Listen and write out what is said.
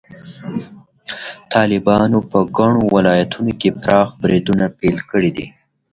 طالبانو په ګڼو ولایتونو کې پراخ بریدونه پیل کړي دي.